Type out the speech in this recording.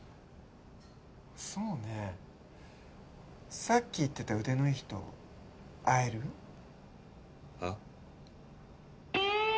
そうねさっき言ってた腕のいい人会える？はあ？